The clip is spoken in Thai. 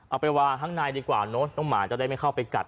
เอาไปวางข้างในดีกว่าเนอะน้องหมาจะได้ไม่เข้าไปกัด